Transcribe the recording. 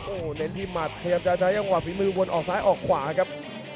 โอ้เน้นที่หมัดขยับใจจังหวะฝีมือบนออกซ้ายออกขวาครับ